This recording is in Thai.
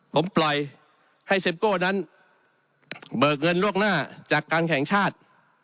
ผมปล่อยให้เซ็ปโก้นั้นเบิกเงินล่วงหน้าจากการแข่งชาติ